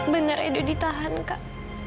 benar edo ditahan kak